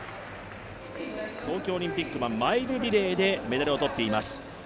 東京オリンピックはマイルリレーでメダルを取っています。